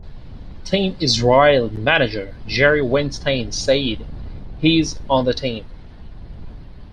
Team Israel Manager Jerry Weinstein said: He's on the team.